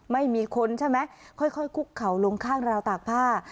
ไม่มีคนใช่ไหมค่อยคุกเข่าลงข้างราวตากผ้า